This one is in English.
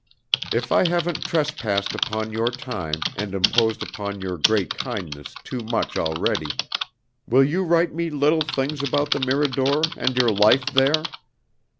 "If I haven't trespassed upon your time and imposed upon your great kindness too much already, will you write me little things about the Mirador and your life there?